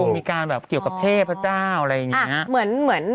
มีการแบบเกี่ยวกับเทพเจ้าอะไรอย่างนี้